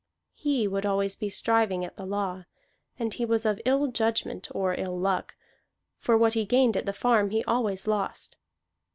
He would always be striving at the law, and he was of ill judgment or ill luck, for what he gained at the farm he always lost.